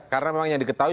karena memang yang diketahui